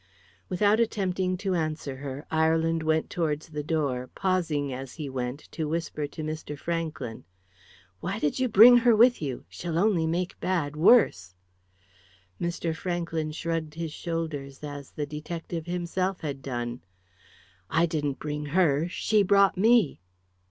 Without attempting to answer her, Ireland went towards the door, pausing, as he went, to whisper to Mr. Franklyn "Why did you bring her with you? She'll only make bad worse." Mr. Franklyn shrugged his shoulders, as the detective himself had done. "I didn't bring her! She brought me!"